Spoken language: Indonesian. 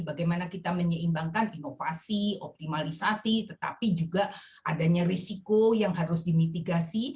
bagaimana kita menyeimbangkan inovasi optimalisasi tetapi juga adanya risiko yang harus dimitigasi